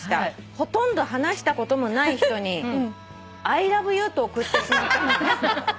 「ほとんど話したこともない人に『アイラブユー』と送ってしまったのです」